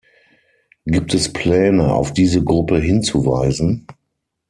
Gibt es Pläne, auf diese Gruppe hinzuweisen?